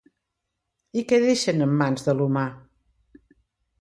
I què deixen en mans de l'humà?